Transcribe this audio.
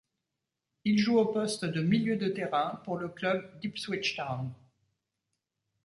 Il joue au poste de milieu de terrain pour le club d'Ipswich Town.